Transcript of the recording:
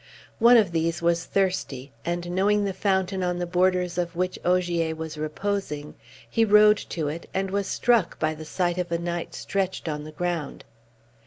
One of these was thirsty, and knowing the fountain on the borders of which Ogier was reposing, he rode to it, and was struck by the sight of a knight stretched on the ground.